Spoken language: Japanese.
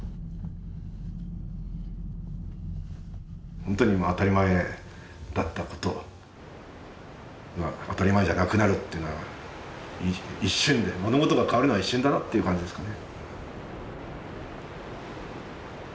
本当に当たり前だったことが当たり前じゃなくなるというのは一瞬で物事が変わるのは一瞬だなという感じですかね。